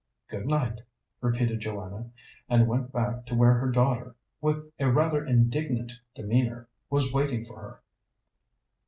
"Good night," repeated Joanna, and went back to where her daughter, with a rather indignant demeanour, was waiting for her.